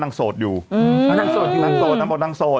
น่างสดอยู่น่างสดนางบอกนางสด